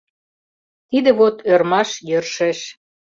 Тиде вот ӧрмаш йӧршеш».